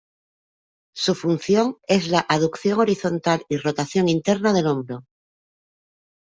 Su función es la aducción horizontal y rotación interna del hombro.